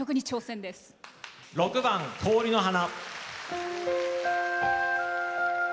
６番「氷の花」。